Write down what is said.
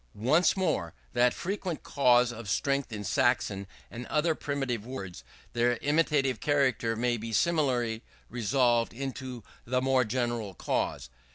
Once more, that frequent cause of strength in Saxon and other primitive words their imitative character may be similarly resolved into the more general cause.